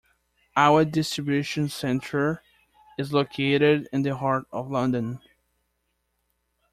Our distribution centre is located in the heart of London.